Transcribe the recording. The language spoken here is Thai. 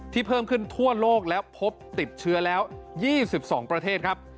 เพิ่มขึ้นทั่วโลกและพบติดเชื้อแล้ว๒๒ประเทศครับ